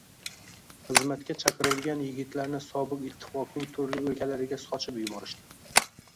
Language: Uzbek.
Xizmatga chaqirilgan yigitlarni sobiq Itttifoqning turli oʻlkalariga sochib yuborishdi.